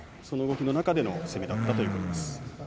その動きの中での攻めだったということです。